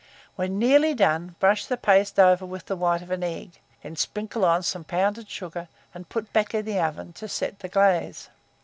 When nearly done, brush the paste over with the white of an egg, then sprinkle on it some pounded sugar, and put it back in the oven to set the glaze.